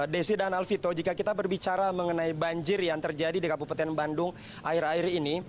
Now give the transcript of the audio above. desi dan alvito jika kita berbicara mengenai banjir yang terjadi di kabupaten bandung air air ini